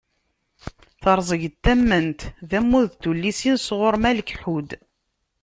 "Terẓeg n tament" d ammud n tullisin sɣur Malek Ḥud.